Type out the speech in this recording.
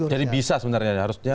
jadi bisa sebenarnya harusnya